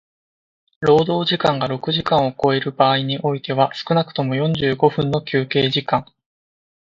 労働時間が六時間を超える場合においては少くとも四十五分の休憩時間